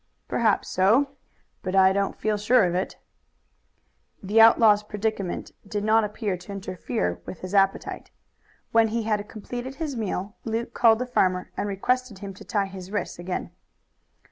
"Perhaps so, but I don't feel sure of it." The outlaw's predicament did not appear to interfere with his appetite. When he had completed his meal Luke called the farmer and requested him to tie his wrists again.